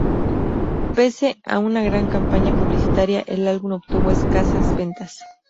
Pese a una gran campaña publicitaria, el álbum obtuvo escasas ventas.